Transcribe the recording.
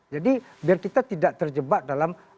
jadi biar kita tidak terjebak dalam